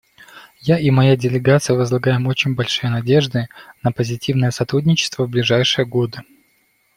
Я и моя делегация возлагаем очень большие надежды на позитивное сотрудничество в ближайшие годы.